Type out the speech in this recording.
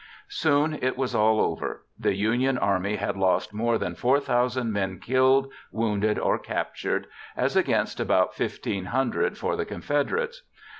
Soon it was all over. The Union army had lost more than 4,000 men killed, wounded, or captured, as against about 1,500 for the Confederates.